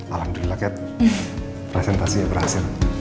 alhamdulillah kat presentasinya berhasil